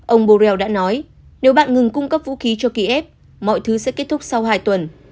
ông borrell đã nói nếu bạn ngừng cung cấp vũ khí cho kiev mọi thứ sẽ kết thúc sau hai tuần